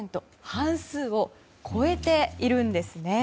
半数を超えているんですね。